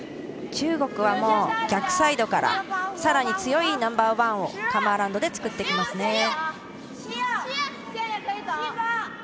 中国は逆サイドからさらに強いナンバーワンをカムアラウンドで作ってきますね。